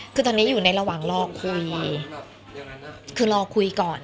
คือตอนนี้อยู่ในระหว่างรอคุยคือรอคุยก่อน